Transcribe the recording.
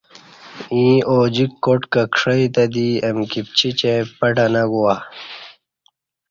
ییں اوجیک کاٹ کہ کݜئ تہ دی امکی پچیچیں پٹں نہ گواہ